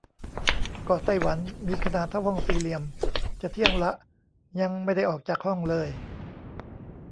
เกาะไต้หวัน มีขนาดเท่าห้องสี่เหลี่ยม จะเที่ยงละ ยังไม่ได้ออกจากห้องเลย !